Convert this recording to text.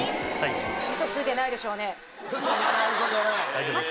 大丈夫です。